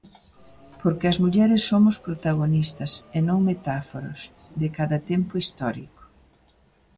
Porque as mulleres somos protagonistas, e non metáforas, de cada tempo histórico.